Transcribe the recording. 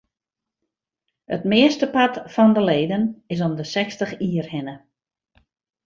It meastepart fan de leden is om de sechstich jier hinne.